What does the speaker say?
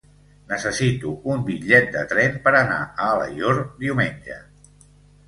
Necessito un bitllet de tren per anar a Alaior diumenge.